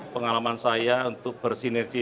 pengalaman saya untuk bersinergi